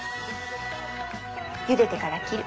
ゆでてから切る。